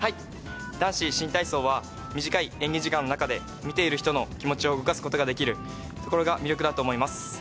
男子新体操は短い演技時間の中で、見ている人の気持ちを動かすことができるところが魅力だと思います。